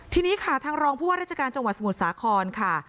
ทีนี้ค่ะทางรองผู้ว่าราชการจังหวัดสมุทรสาครค่ะ